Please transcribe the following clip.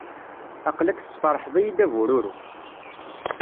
Aql-ak tesferḥeḍ-iyi-d a bururu.